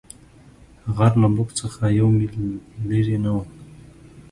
غر له موږ څخه یو مېل لیرې نه وو.